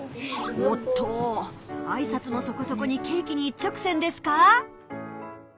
おっとあいさつもそこそこにケーキに一直線ですか！